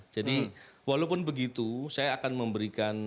jadi walaupun begitu saya akan memberikan